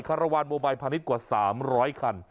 คาราวันโมไบพาณิชย์กว่า๓๐๐คัน